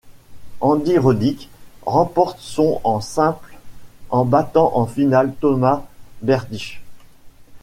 Andy Roddick remporte son en simple en battant en finale Tomáš Berdych.